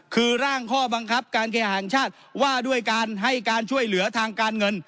คือร่างข้อบังคับการแข่งชาติว่าด้วยการให้การช่วยเหลือทางการเงิน